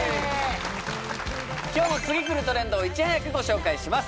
今日も次くるトレンドをいち早くご紹介します